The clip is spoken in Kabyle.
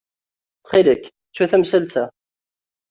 Ttxil-k, ttu tamsalt-a.